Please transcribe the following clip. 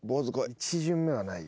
１巡目はないよ。